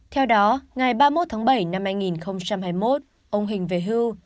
theo đó ngày ba mươi một tháng bảy năm hai nghìn hai mươi một ông hình về hưu